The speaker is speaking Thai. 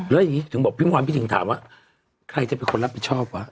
แล้วอย่างนี้ถึงบอกพี่มอนพี่ถึงถามว่าใครจะเป็นคนรับผิดชอบวะ